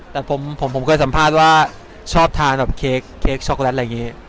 แต่ผมเคยสัมภาษณ์ว่าชอบทานแบบเค้กช็อกโลตอะไรอย่างนี้